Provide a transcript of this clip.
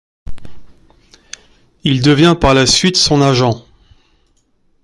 Il devient par la suite son agent.